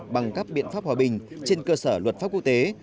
bằng các biện pháp hòa bình trên cơ sở luật pháp quốc tế